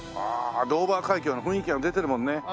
ドーバー海峡の雰囲気が出てるもんね。